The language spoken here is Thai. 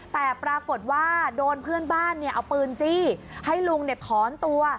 แต่ปรากฏว่าโดนเพื่อนบ้านเอาปืนจี้ให้ลุงถอนตัว